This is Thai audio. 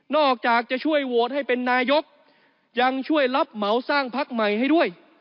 อกจากจะช่วยโหวตให้เป็นนายกยังช่วยรับเหมาสร้างพักใหม่ให้ด้วย